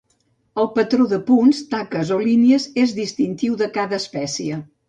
El patró de punts, taques o línies és distintiu de cada espècie.